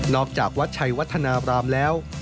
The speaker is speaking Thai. จากวัดชัยวัฒนาบรามแล้ว